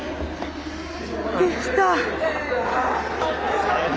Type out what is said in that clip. できた。